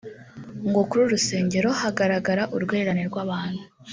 ngo kuri uru rusengero hagaragaraga urwererane rw’abantu